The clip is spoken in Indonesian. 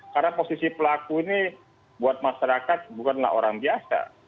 karena posisi pelaku ini buat masyarakat bukanlah orang biasa